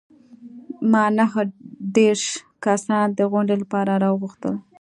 ما نهه دیرش کسان د غونډې لپاره راوغوښتل.